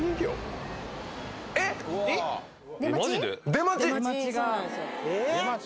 出待ち？